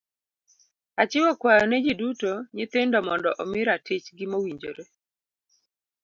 Achiwo kwayo ne ji duto, nyithindo mondo omi ratich gi mowinjore.